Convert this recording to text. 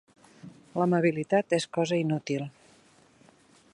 L'amabilitat és cosa inútil.